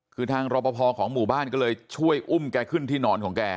คือทางรอปภของหมู่บ้านก็เลยช่วยอุ้มแกขึ้นที่นอนของแก